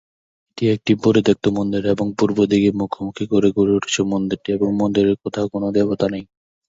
এটি একটি পরিত্যক্ত মন্দির এবং পূর্ব দিকে মুখোমুখি করে গড়ে উঠেছে মন্দিরটি এবং মন্দিরের কোথাও কোন দেবতা নেই।